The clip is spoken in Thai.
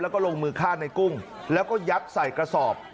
แล้วก็ลงมือฆ่าในกุ้งแล้วก็ยัดใส่กระสอบ